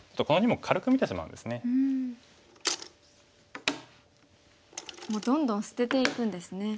もうどんどん捨てていくんですね。